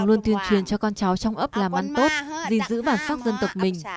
luôn tuyên truyền cho con cháu trong ấp làm ăn tốt gìn giữ bản sắc dân tộc mình